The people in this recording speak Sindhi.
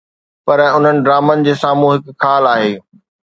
پر انهن ڊرامن جي سامهون هڪ خال آهي.